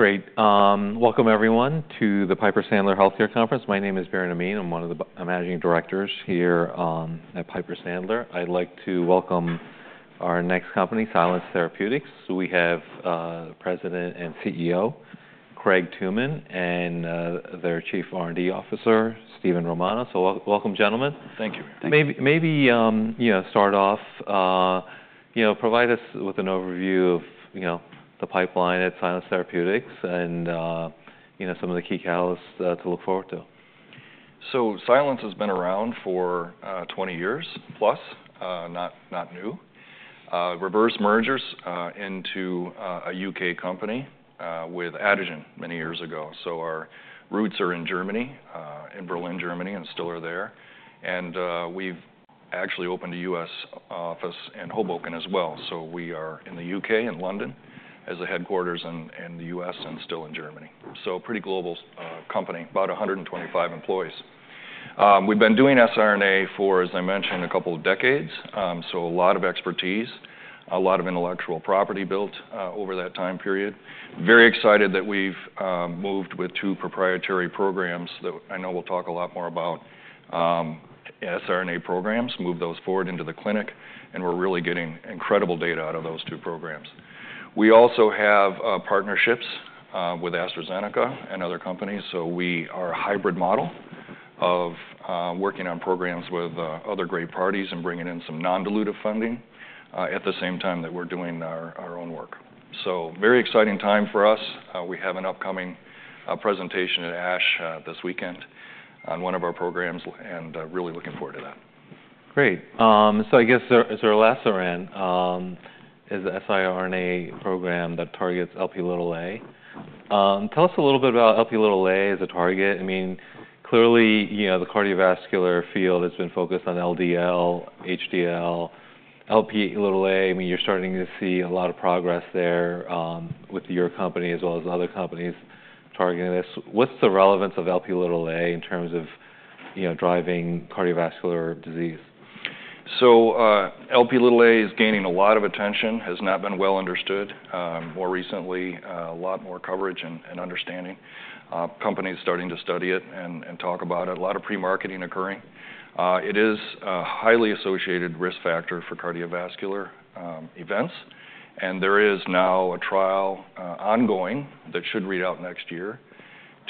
Great. Welcome, everyone, to the Piper Sandler Healthcare Conference. My name is Biren Amin. I'm one of the managing directors here at Piper Sandler. I'd like to welcome our next company, Silence Therapeutics. We have President and CEO Craig Tooman and their Chief R&D Officer, Steven Romano. So welcome, gentlemen. Thank you. Maybe start off, provide us with an overview of the pipeline at Silence Therapeutics and some of the key catalysts to look forward to. So Silence has been around for 20 years plus, not new. Reverse mergers into a UK company with Atugen many years ago. So our roots are in Germany, in Berlin, Germany, and still are there. And we've actually opened a US office in Hoboken as well. So we are in the UK, in London, as a headquarters in the US and still in Germany. So pretty global company, about 125 employees. We've been doing siRNA for, as I mentioned, a couple of decades. So a lot of expertise, a lot of intellectual property built over that time period. Very excited that we've moved with two proprietary programs that I know we'll talk a lot more about, siRNA programs, move those forward into the clinic. And we're really getting incredible data out of those two programs. We also have partnerships with AstraZeneca and other companies. So we are a hybrid model of working on programs with other great partners and bringing in some non-dilutive funding at the same time that we're doing our own work. So very exciting time for us. We have an upcoming presentation at ASH this weekend on one of our programs, and really looking forward to that. Great. So I guess, as our last round, is the siRNA program that targets Lp(a)? Tell us a little bit about Lp(a) as a target. I mean, clearly, the cardiovascular field has been focused on LDL, HDL, Lp(a). I mean, you're starting to see a lot of progress there with your company as well as other companies targeting this. What's the relevance of Lp(a) in terms of driving cardiovascular disease? So Lp(a) is gaining a lot of attention. It has not been well understood. More recently, a lot more coverage and understanding. Companies starting to study it and talk about it. A lot of pre-marketing occurring. It is a highly associated risk factor for cardiovascular events. And there is now a trial ongoing that should read out next year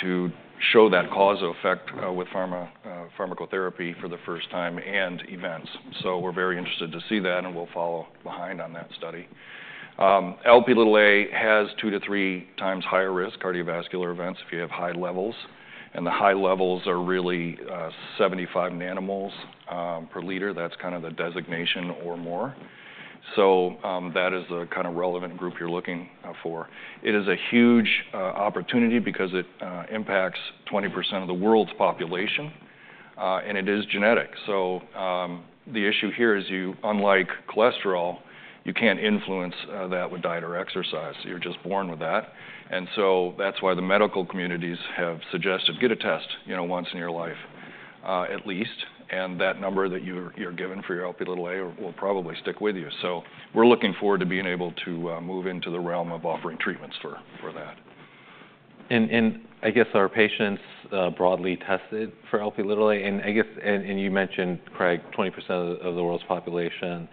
to show that causal effect with pharmacotherapy for the first time and events. So, we're very interested to see that, and we'll follow behind on that study. Lp(a) has two to three times higher risk cardiovascular events if you have high levels. And the high levels are really 75 nanomoles per liter. That's kind of the designation or more. So that is the kind of relevant group you're looking for. It is a huge opportunity because it impacts 20% of the world's population. And it is genetic. The issue here is, unlike cholesterol, you can't influence that with diet or exercise. You're just born with that. That's why the medical communities have suggested, get a test once in your life at least. That number that you're given for your Lp(a) will probably stick with you. We're looking forward to being able to move into the realm of offering treatments for that. I guess our patients broadly tested for Lp(a). I guess, and you mentioned, Craig, 20% of the world's population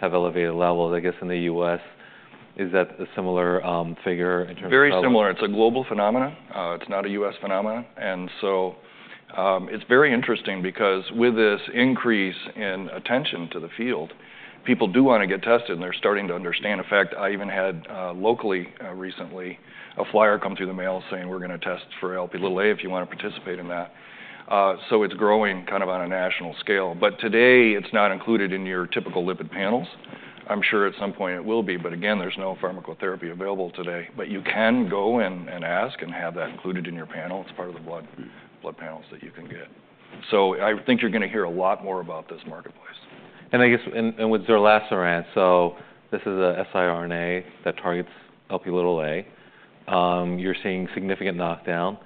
have elevated levels. I guess in the U.S., is that a similar figure in terms of? Very similar. It's a global phenomenon. It's not a U.S. phenomenon. And so it's very interesting because with this increase in attention to the field, people do want to get tested, and they're starting to understand. In fact, I even had locally recently a flyer come through the mail saying, "We're going to test for Lp(a) if you want to participate in that." So it's growing kind of on a national scale. But today, it's not included in your typical lipid panels. I'm sure at some point it will be. But again, there's no pharmacotherapy available today. But you can go and ask and have that included in your panel. It's part of the blood panels that you can get. So I think you're going to hear a lot more about this marketplace. I guess with your zerlasiran, so this is a siRNA that targets Lp(a). You're seeing significant knockdown.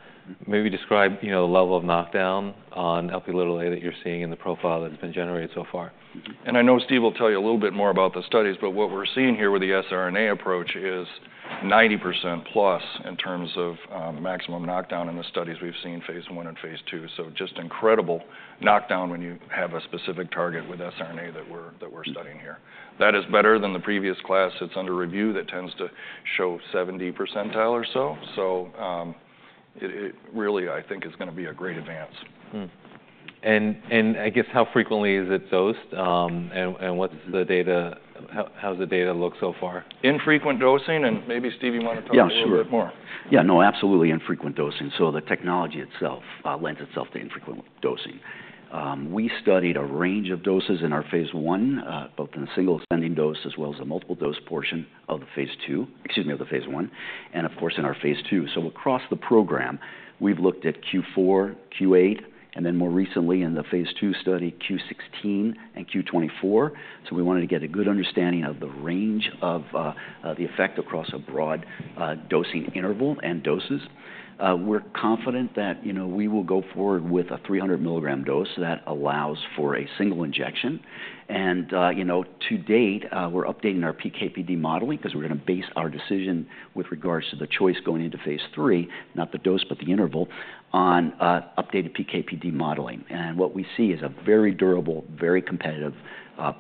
Maybe describe the level of knockdown on Lp(a) that you're seeing in the profile that's been generated so far. I know Steve will tell you a little bit more about the studies. But what we're seeing here with the siRNA approach is 90% plus in terms of maximum knockdown in the studies we've seen phase one and phase two. So just incredible knockdown when you have a specific target with siRNA that we're studying here. That is better than the previous class that's under review that tends to show 70 percentile or so. So it really, I think, is going to be a great advance. And I guess, how frequently is it dosed? And what's the data? How's the data look so far? Infrequent dosing. And maybe Steven, you want to talk a little bit more? Yeah, no, absolutely infrequent dosing. So the technology itself lends itself to infrequent dosing. We studied a range of doses in our phase one, both in the single ascending dose as well as the multiple dose portion of the phase two, excuse me, of the phase one, and of course, in our phase two. So across the program, we've looked at Q4, Q8, and then more recently in the phase two study, Q16 and Q24. So we wanted to get a good understanding of the range of the effect across a broad dosing interval and doses. We're confident that we will go forward with a 300 milligram dose that allows for a single injection. And to date, we're updating our PK/PD modeling because we're going to base our decision with regards to the choice going into phase three, not the dose, but the interval on updated PK/PD modeling. And what we see is a very durable, very competitive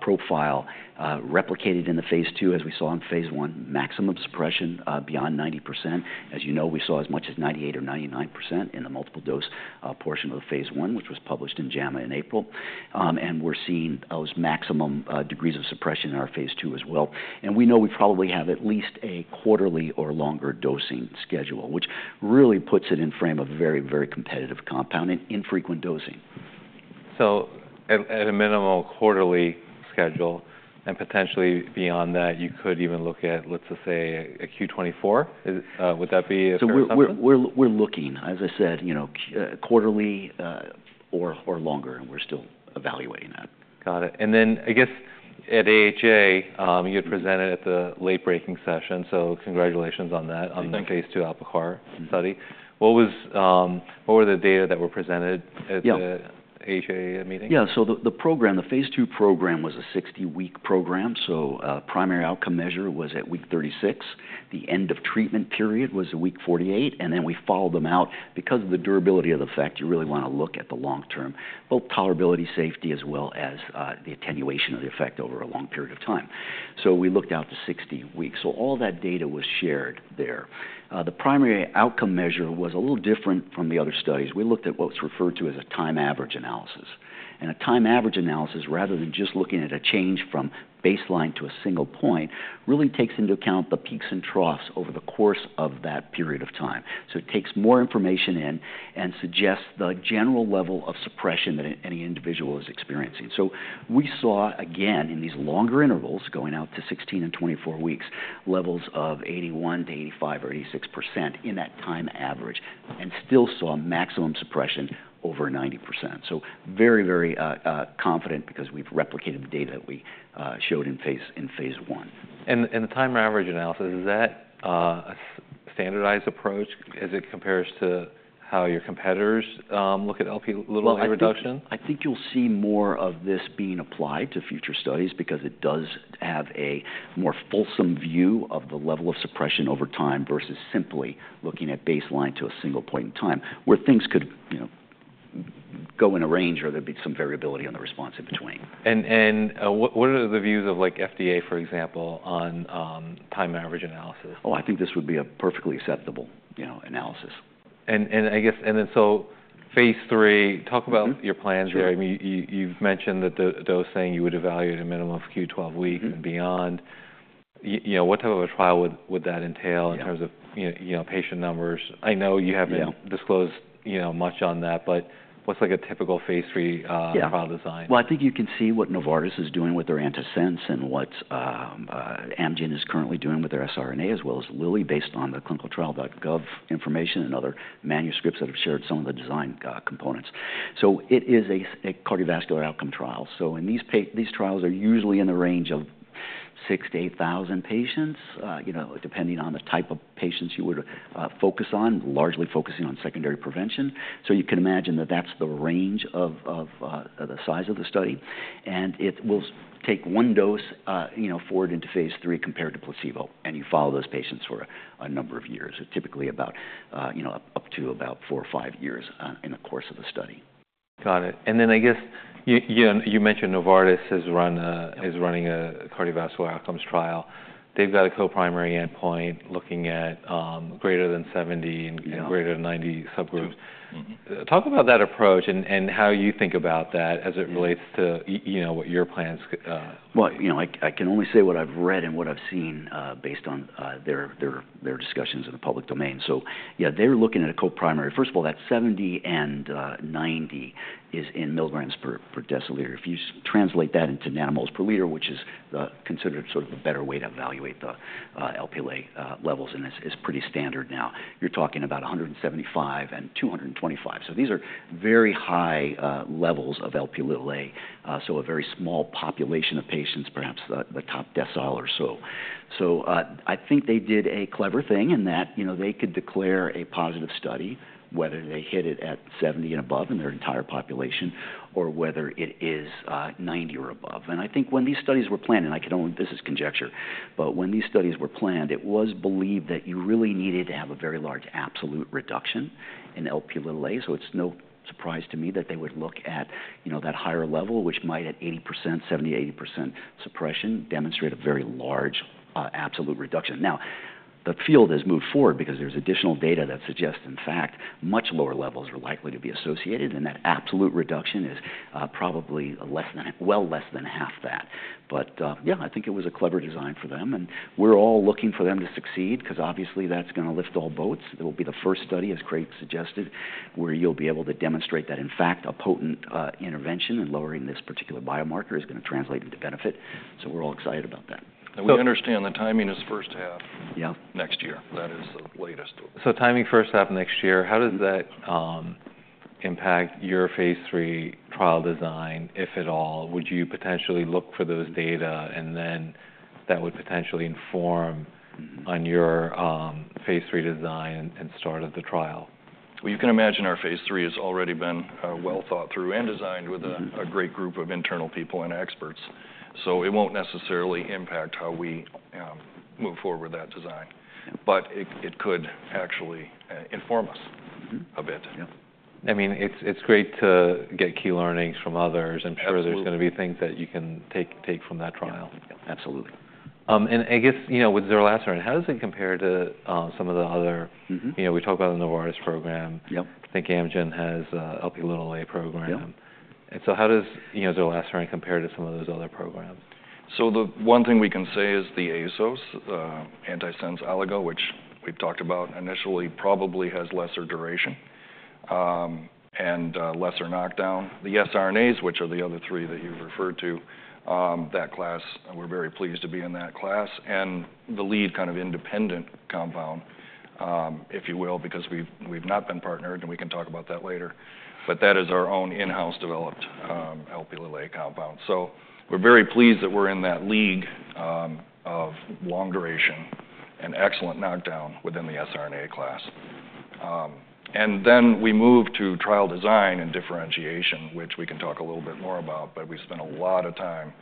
profile replicated in the phase two as we saw in phase one, maximum suppression beyond 90%. As you know, we saw as much as 98% or 99% in the multiple dose portion of the phase one, which was published in JAMA in April. And we're seeing those maximum degrees of suppression in our phase two as well. And we know we probably have at least a quarterly or longer dosing schedule, which really puts it in frame of a very, very competitive compound and infrequent dosing. So at a minimum quarterly schedule, and potentially beyond that, you could even look at, let's just say, a Q24. Would that be a? So we're looking, as I said, quarterly or longer. And we're still evaluating that. Got it. And then I guess at AHA, you had presented at the late breaking session. So congratulations on that, on the phase 2 ALPACAR-360 study. What were the data that were presented at the AHA meeting? Yeah, so the program, the phase 2 program, was a 60-week program. The primary outcome measure was at week 36. The end of treatment period was a week 48, and then we followed them out. Because of the durability of the effect, you really want to look at the long term, both tolerability, safety, as well as the attenuation of the effect over a long period of time. We looked out to 60 weeks, so all that data was shared there. The primary outcome measure was a little different from the other studies. We looked at what's referred to as a time-averaged analysis, and a time-averaged analysis, rather than just looking at a change from baseline to a single point, really takes into account the peaks and troughs over the course of that period of time. So it takes more information in and suggests the general level of suppression that any individual is experiencing. So we saw, again, in these longer intervals going out to 16 and 24 weeks, levels of 81% to 85% or 86% in that time average, and still saw maximum suppression over 90%. So very, very confident because we've replicated the data that we showed in phase 1. The time-averaged analysis, is that a standardized approach as it compares to how your competitors look at Lp(a) reduction? I think you'll see more of this being applied to future studies because it does have a more fulsome view of the level of suppression over time versus simply looking at baseline to a single point in time where things could go in a range or there'd be some variability on the response in between. What are the views of FDA, for example, on time-averaged analysis? Oh, I think this would be a perfectly acceptable analysis. And I guess and then so phase three. Talk about your plans there. I mean, you've mentioned that those saying you would evaluate a minimum of Q12 weeks and beyond. What type of a trial would that entail in terms of patient numbers? I know you haven't disclosed much on that, but what's like a typical phase three trial design? Yeah, well, I think you can see what Novartis is doing with their antisense and what Amgen is currently doing with their siRNA as well as Lilly based on the ClinicalTrials.gov information and other manuscripts that have shared some of the design components. So it is a cardiovascular outcome trial. So in these trials, they're usually in the range of 6,000 to 8,000 patients, depending on the type of patients you would focus on, largely focusing on secondary prevention. So you can imagine that that's the range of the size of the study. And it will take one dose forward into phase three compared to placebo. And you follow those patients for a number of years, typically up to about four or five years in the course of the study. Got it. And then I guess you mentioned Novartis is running a cardiovascular outcomes trial. They've got a co-primary endpoint looking at greater than 70 and greater than 90 subgroups. Talk about that approach and how you think about that as it relates to what your plans? I can only say what I've read and what I've seen based on their discussions in the public domain. Yeah, they're looking at a co-primary. First of all, that 70 and 90 is in milligrams per deciliter. If you translate that into nanomoles per liter, which is considered sort of a better way to evaluate the Lp(a) levels, and it's pretty standard now, you're talking about 175 and 225. These are very high levels of Lp(a). A very small population of patients, perhaps the top decile or so. I think they did a clever thing in that they could declare a positive study, whether they hit it at 70 and above in their entire population or whether it is 90 or above. I think when these studies were planned, and I could only, this is conjecture, but when these studies were planned, it was believed that you really needed to have a very large absolute reduction in Lp(a). So it's no surprise to me that they would look at that higher level, which might at 80%, 70%-80% suppression demonstrate a very large absolute reduction. Now, the field has moved forward because there's additional data that suggests, in fact, much lower levels are likely to be associated. And that absolute reduction is probably well less than half that. But yeah, I think it was a clever design for them. And we're all looking for them to succeed because obviously that's going to lift all boats. It will be the first study, as Craig suggested, where you'll be able to demonstrate that, in fact, a potent intervention in lowering this particular biomarker is going to translate into benefit. So we're all excited about that. We understand the timing is first half next year. That is the latest. So, timing first half next year, how does that impact your phase three trial design, if at all? Would you potentially look for those data and then that would potentially inform on your phase three design and start of the trial? You can imagine our phase three has already been well thought through and designed with a great group of internal people and experts. So it won't necessarily impact how we move forward with that design. But it could actually inform us a bit. I mean, it's great to get key learnings from others and be sure there's going to be things that you can take from that trial. Absolutely. And I guess with zerlasiran, how does it compare to some of the other? We talked about the Novartis program. I think Amgen has Lp(a) program. And so how does zerlasiran compare to some of those other programs? So the one thing we can say is the ASOs, Antisense oligo, which we've talked about initially, probably has lesser duration and lesser knockdown. The siRNAs, which are the other three that you've referred to, that class, we're very pleased to be in that class. And the lead kind of independent compound, if you will, because we've not been partnered, and we can talk about that later. But that is our own in-house developed Lp(a) compound. So we're very pleased that we're in that league of long duration and excellent knockdown within the siRNA class. And then we move to trial design and differentiation, which we can talk a little bit more about. But we spent a lot of time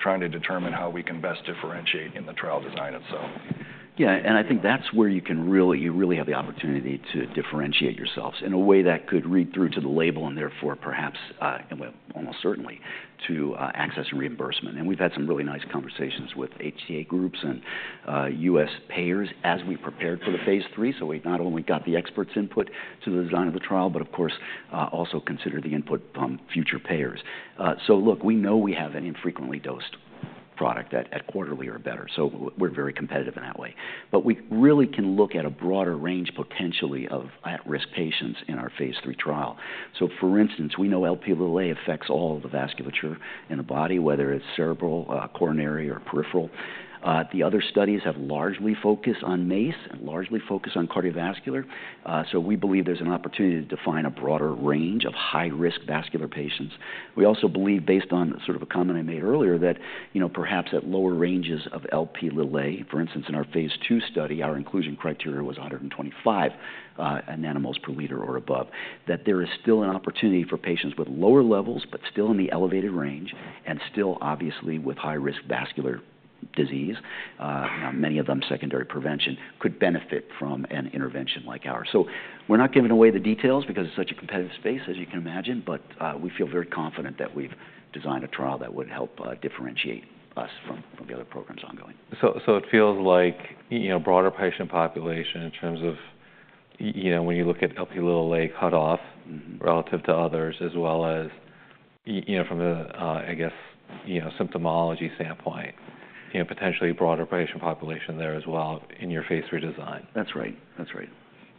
trying to determine how we can best differentiate in the trial design itself. Yeah, and I think that's where you really have the opportunity to differentiate yourselves in a way that could read through to the label and therefore perhaps, almost certainly, to access reimbursement. And we've had some really nice conversations with HTA groups and U.S. payers as we prepared for the phase three. So we not only got the experts' input to the design of the trial, but of course, also considered the input from future payers. So look, we know we have an infrequently dosed product at quarterly or better. So we're very competitive in that way. But we really can look at a broader range potentially of at-risk patients in our phase three trial. So for instance, we know Lp(a) affects all of the vasculature in the body, whether it's cerebral, coronary, or peripheral. The other studies have largely focused on MACE and largely focused on cardiovascular. So we believe there's an opportunity to define a broader range of high-risk vascular patients. We also believe, based on sort of a comment I made earlier, that perhaps at lower ranges of Lp(a), for instance, in our phase 2 study, our inclusion criteria was 125 nanomoles per liter or above, that there is still an opportunity for patients with lower levels, but still in the elevated range, and still obviously with high-risk vascular disease, many of them secondary prevention, could benefit from an intervention like ours. So we're not giving away the details because it's such a competitive space, as you can imagine. But we feel very confident that we've designed a trial that would help differentiate us from the other programs ongoing. So it feels like broader patient population in terms of when you look at Lp(a) cutoff relative to others, as well as from the, I guess, symptomology standpoint, potentially broader patient population there as well in your phase three design. That's right. That's right.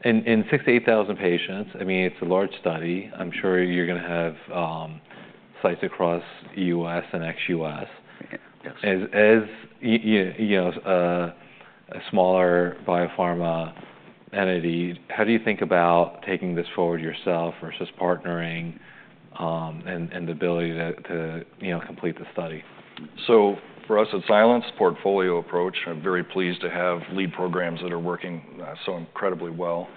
In 6,000 to 8,000 patients, I mean, it's a large study. I'm sure you're going to have sites across U.S. and ex-U.S. As a smaller biopharma entity, how do you think about taking this forward yourself versus partnering and the ability to complete the study? So for us, it's Silence portfolio approach. I'm very pleased to have lead programs that are working so incredibly well.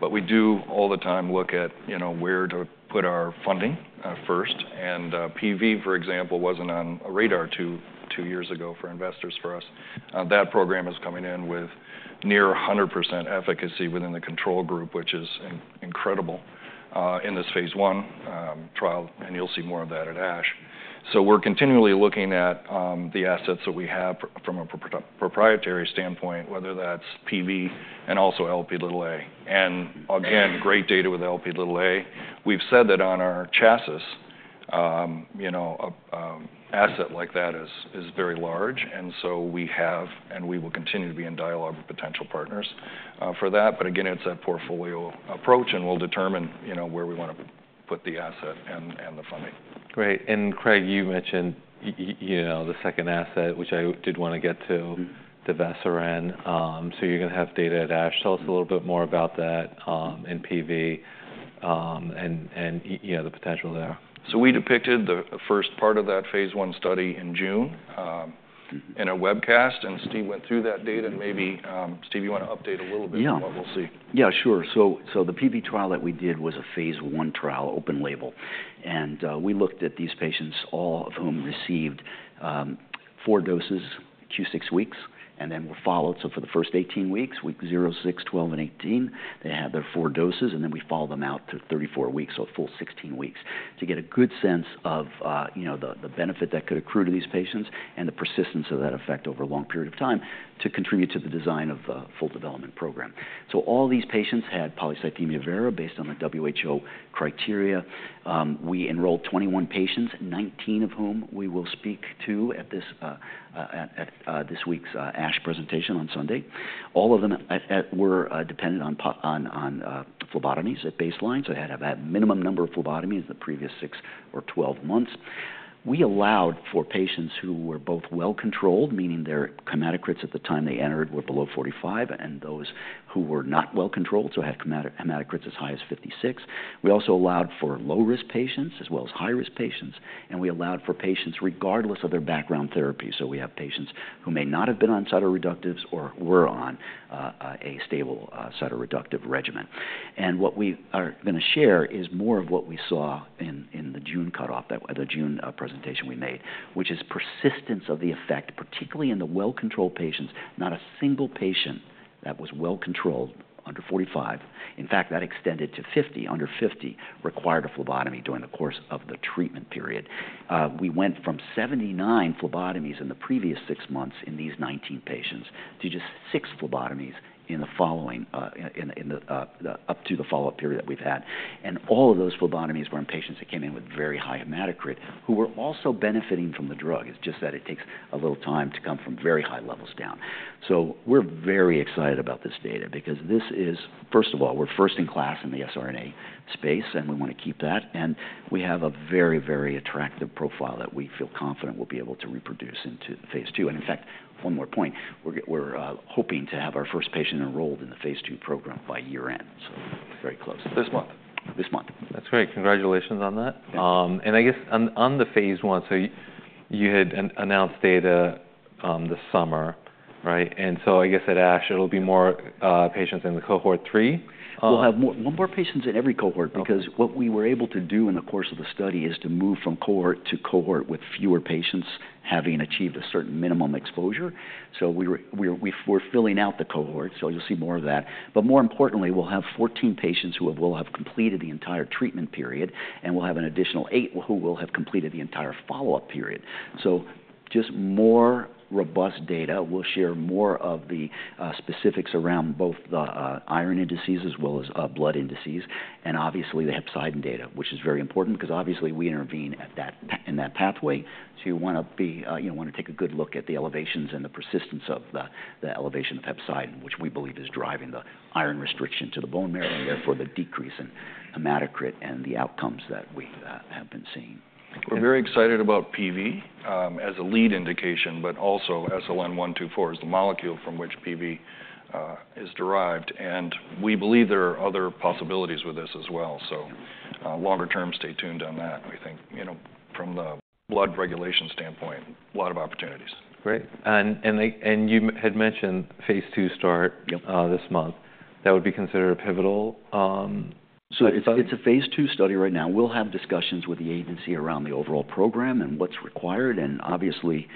But we do all the time look at where to put our funding first. And PV, for example, wasn't on radar two years ago for investors for us. That program is coming in with near 100% efficacy within the control group, which is incredible in this phase one trial. And you'll see more of that at ASH. So we're continually looking at the assets that we have from a proprietary standpoint, whether that's PV and also Lp(a). And again, great data with Lp(a). We've said that on our chassis, an asset like that is very large. And so we have and we will continue to be in dialogue with potential partners for that. But again, it's that portfolio approach. We'll determine where we want to put the asset and the funding. Great. And Craig, you mentioned the second asset, which I did want to get to, the divesiran. So you're going to have data at ASH. Tell us a little bit more about that and PV and the potential there. We depicted the first part of that phase one study in June in a webcast. Steve went through that data. Maybe, Steve, you want to update a little bit on what we'll see? Yeah, sure. So the PV trial that we did was a phase one trial, open label. And we looked at these patients, all of whom received four doses q6 weeks. And then we're followed. So for the first 18 weeks, week 0, 6, 12, and 18, they had their four doses. And then we follow them out to 34 weeks, so a full 16 weeks, to get a good sense of the benefit that could accrue to these patients and the persistence of that effect over a long period of time to contribute to the design of the full development program. So all these patients had polycythemia vera based on the WHO criteria. We enrolled 21 patients, 19 of whom we will speak to at this week's ASH presentation on Sunday. All of them were dependent on phlebotomies at baseline. So they had to have a minimum number of phlebotomies in the previous six or 12 months. We allowed for patients who were both well controlled, meaning their hematocrits at the time they entered were below 45, and those who were not well controlled so had hematocrits as high as 56. We also allowed for low-risk patients as well as high-risk patients. And we allowed for patients regardless of their background therapy. So we have patients who may not have been on cytoreductives or were on a stable cytoreductive regimen. And what we are going to share is more of what we saw in the June cutoff, the June presentation we made, which is persistence of the effect, particularly in the well-controlled patients. Not a single patient that was well controlled under 45, in fact, that extended to 50, under 50, required a phlebotomy during the course of the treatment period. We went from 79 phlebotomies in the previous six months in these 19 patients to just six phlebotomies up to the follow-up period that we've had. And all of those phlebotomies were in patients that came in with very high hematocrit who were also benefiting from the drug. It's just that it takes a little time to come from very high levels down. So we're very excited about this data because this is, first of all, we're first in class in the siRNA space, and we want to keep that. And we have a very, very attractive profile that we feel confident we'll be able to reproduce into phase two. And in fact, one more point, we're hoping to have our first patient enrolled in the phase two program by year-end. So very close. This month. This month. That's great. Congratulations on that. And I guess on the phase one, so you had announced data this summer, right? And so I guess at ASH, it'll be more patients in the cohort three. We'll have more patients in every cohort because what we were able to do in the course of the study is to move from cohort to cohort with fewer patients having achieved a certain minimum exposure. So we're filling out the cohort. So you'll see more of that. But more importantly, we'll have 14 patients who will have completed the entire treatment period. And we'll have an additional 8 who will have completed the entire follow-up period. So just more robust data. We'll share more of the specifics around both the iron indices as well as blood indices. And obviously, the hepcidin data, which is very important because obviously, we intervene in that pathway. So you want to take a good look at the elevations and the persistence of the elevation of hepcidin, which we believe is driving the iron restriction to the bone marrow and therefore the decrease in hematocrit and the outcomes that we have been seeing. We're very excited about PV as a lead indication, but also SLN124 is the molecule from which PV is derived, and we believe there are other possibilities with this as well, so longer term, stay tuned on that. We think from the blood regulation standpoint, a lot of opportunities. Great. And you had mentioned phase 2 start this month. That would be considered a pivotal? It's a phase 2 study right now. We'll have discussions with the agency around the overall program and what's required. Obviously,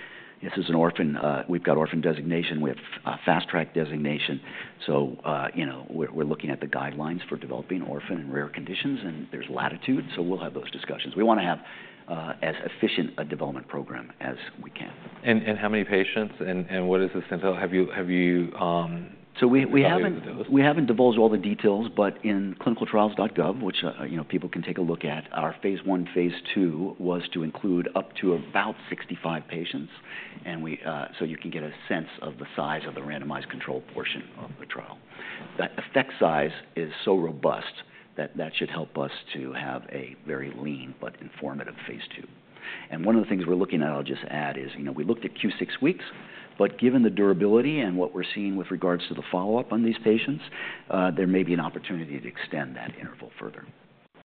this is an orphan. We've got orphan designation. We have fast-track designation. We're looking at the guidelines for developing orphan and rare conditions. There's latitude. We'll have those discussions. We want to have as efficient a development program as we can. And how many patients? And what is the sentinel? Have you? So we haven't divulged all the details. But in ClinicalTrials.gov, which people can take a look at, our phase one, phase two was to include up to about 65 patients. And so you can get a sense of the size of the randomized control portion of the trial. That effect size is so robust that that should help us to have a very lean but informative phase two. And one of the things we're looking at, I'll just add, is we looked at q6 weeks. But given the durability and what we're seeing with regards to the follow-up on these patients, there may be an opportunity to extend that interval further.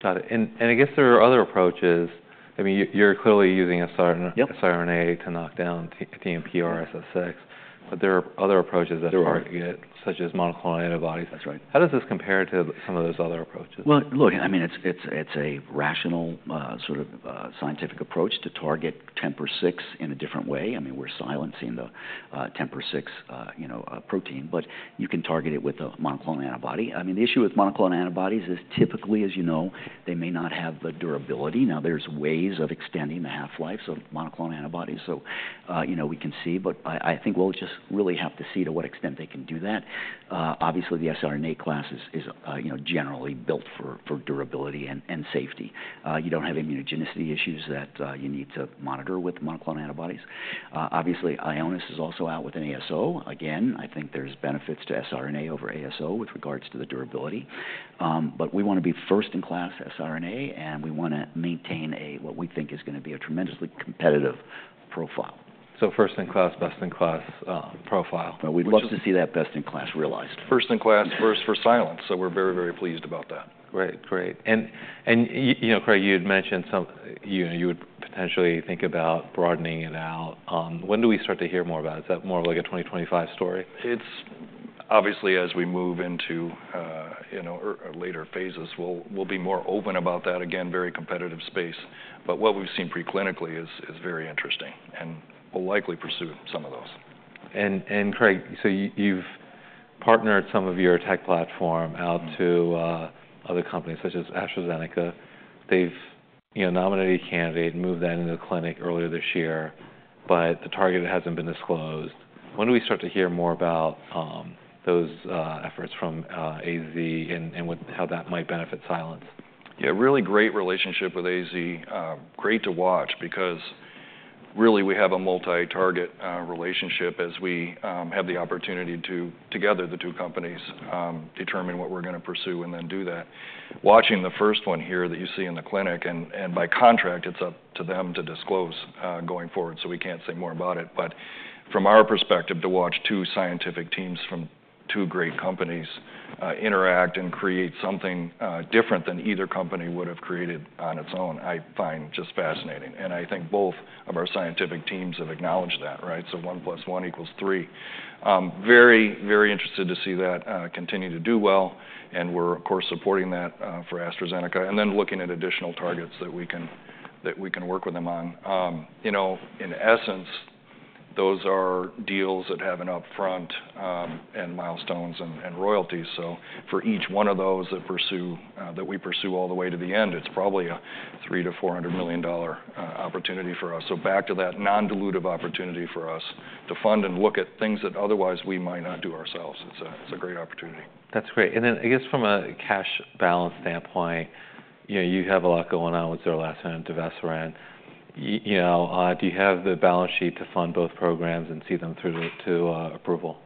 Got it. And I guess there are other approaches. I mean, you're clearly using siRNA to knock down TMPRSS6. But there are other approaches that target, such as monoclonal antibodies. That's right. How does this compare to some of those other approaches? Look, I mean, it's a rational sort of scientific approach to target TMPRSS6 in a different way. I mean, we're silencing the TMPRSS6 protein. But you can target it with a monoclonal antibody. I mean, the issue with monoclonal antibodies is typically, as you know, they may not have the durability. Now, there's ways of extending the half-life of monoclonal antibodies. So we can see. But I think we'll just really have to see to what extent they can do that. Obviously, the siRNA class is generally built for durability and safety. You don't have immunogenicity issues that you need to monitor with monoclonal antibodies. Obviously, Ionis is also out with an ASO. Again, I think there's benefits to siRNA over ASO with regards to the durability. But we want to be first in class siRNA. We want to maintain what we think is going to be a tremendously competitive profile. First in class, best in class profile. We'd love to see that best in class realized. First in class, first for silence, so we're very, very pleased about that. Great. Great. And Craig, you had mentioned you would potentially think about broadening it out. When do we start to hear more about it? Is that more of like a 2025 story? It's obviously, as we move into later phases, we'll be more open about that. Again, very competitive space. But what we've seen preclinically is very interesting. And we'll likely pursue some of those. Craig, so you've partnered some of your tech platform out to other companies such as AstraZeneca. They've nominated a candidate and moved that into the clinic earlier this year. But the target hasn't been disclosed. When do we start to hear more about those efforts from AZ and how that might benefit Silence? Yeah, really great relationship with AZ. Great to watch because really, we have a multi-target relationship as we have the opportunity to, together, the two companies determine what we're going to pursue and then do that. Watching the first one here that you see in the clinic, and by contract, it's up to them to disclose going forward. So we can't say more about it, but from our perspective, to watch two scientific teams from two great companies interact and create something different than either company would have created on its own, I find just fascinating, and I think both of our scientific teams have acknowledged that, right? So one plus one equals three. Very, very interested to see that continue to do well, and we're, of course, supporting that for AstraZeneca and then looking at additional targets that we can work with them on. In essence, those are deals that have an upfront and milestones and royalties. So for each one of those that we pursue all the way to the end, it's probably a $300-$400 million opportunity for us. So back to that non-dilutive opportunity for us to fund and look at things that otherwise we might not do ourselves. It's a great opportunity. That's great. And then I guess from a cash balance standpoint, you have a lot going on with Zerlasiran and Divesiran. Do you have the balance sheet to fund both programs and see them through to approval?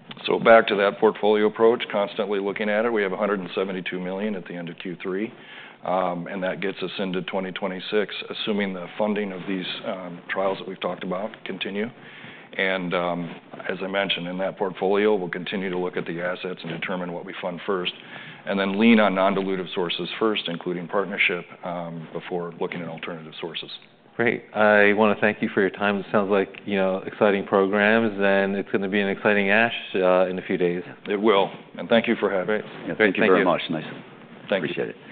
Back to that portfolio approach, constantly looking at it. We have $172 million at the end of Q3. That gets us into 2026, assuming the funding of these trials that we've talked about continue. As I mentioned, in that portfolio, we'll continue to look at the assets and determine what we fund first and then lean on non-dilutive sources first, including partnership, before looking at alternative sources. Great. I want to thank you for your time. It sounds like exciting programs. And it's going to be an exciting ASH in a few days. It will. And thank you for having me. Thank you very much, Biren. Thank you. Appreciate it.